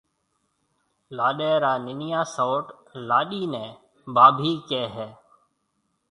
لاڏيَ را ننَيان سئوٽ لاڏيِ نَي ڀاڀِي ڪهيَ هيَ۔